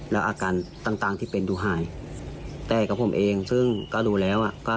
แล้วอาการต่างที่เป็นดูหายแต่กับผมเองซึ่งก็รู้แล้วอ่ะ